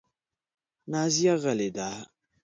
نازیه غلې ده .